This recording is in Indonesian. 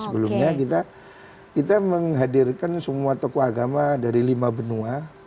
sebelumnya kita menghadirkan semua tokoh agama dari lima benua